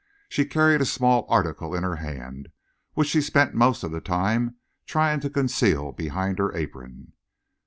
She carried a small article in her hand, which she spent most of the time trying to conceal behind her apron.